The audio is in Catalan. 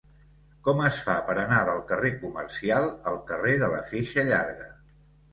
Com es fa per anar del carrer Comercial al carrer de la Feixa Llarga?